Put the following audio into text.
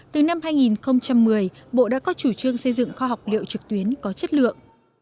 từ năm hai nghìn một mươi bộ đã có chủ trương xây dựng kho học liệu trực tuyến có chất lượng